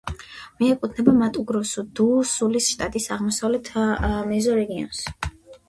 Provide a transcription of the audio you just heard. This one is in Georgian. მიეკუთვნება მატუ-გროსუ-დუ-სულის შტატის აღმოსავლეთ მეზორეგიონს.